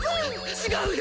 違うよ！